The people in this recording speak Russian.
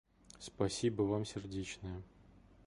Спасибо вам сердечное.